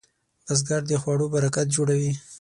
بزګر د خوړو برکت جوړوي